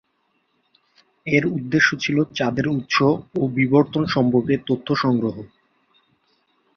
এর উদ্দেশ্য ছিল চাঁদের উৎস ও বিবর্তন সম্পর্কে তথ্য সংগ্রহ।